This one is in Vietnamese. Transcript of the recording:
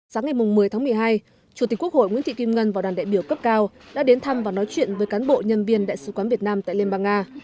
sáng ngày một mươi tháng một mươi hai chủ tịch quốc hội nguyễn thị kim ngân và đoàn đại biểu cấp cao đã đến thăm và nói chuyện với cán bộ nhân viên đại sứ quán việt nam tại liên bang nga